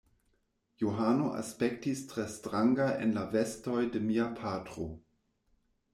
Johano aspektis tre stranga en la vestoj de mia patro.